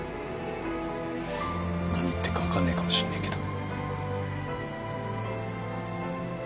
何言ってるか分かんねえかもしんねえけど。